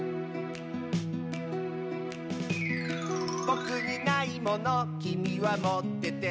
「ぼくにないものきみはもってて」